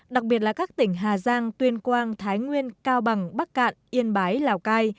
đặc biệt là các tỉnh hà giang tuyên quang thái nguyên cao bằng bắc cạn yên bái lào cai